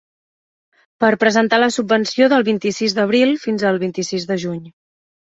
Per presentar la subvenció del vint-i-sis d'abril fins al vint-i-sis de juny.